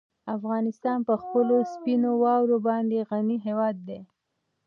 افغانستان په خپلو سپینو واورو باندې غني هېواد دی.